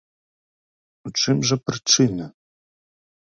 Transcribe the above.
У чым жа прычына?